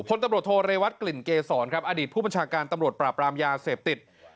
พลตำรวจโทเรวัตกลิ่นเกษรครับอดีตผู้บัญชาการตำรวจปราบรามยาเสพติด